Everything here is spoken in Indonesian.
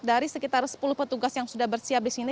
dari sekitar sepuluh petugas yang sudah bersiap di sini